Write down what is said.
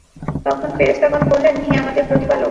তখন ফেরেশতাগণ বললেন, হে আমাদের প্রতিপালক!